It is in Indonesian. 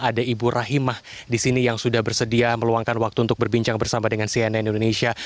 ada ibu rahimah di sini yang sudah bersedia meluangkan waktu untuk berbincang bersama dengan cnn indonesia